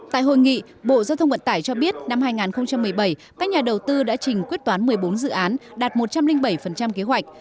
tại hội nghị bộ giao thông vận tải cho biết năm hai nghìn một mươi bảy các nhà đầu tư đã trình quyết toán một mươi bốn dự án đạt một trăm linh bảy kế hoạch